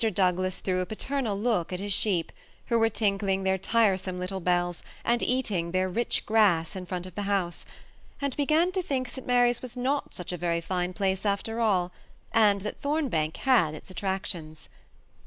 Douglas threw a paternal look at his sheep, who were tinkling tfieir tiresome little bells, and eating their rich grass in front of the 4iouse, and began to think St Mary's was not such a very fine place after all, and that Thombank had its attractions.